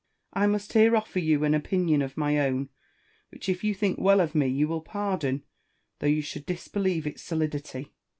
I must here offer you an opinion of my own, which, if you think well of me, you will pardon, though you should disbelieve its solidity.